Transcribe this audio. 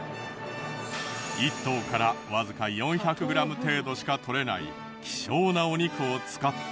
１頭からわずか４００グラム程度しか取れない希少なお肉を使った。